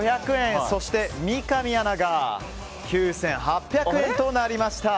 そして、三上さんが９８００円となりました。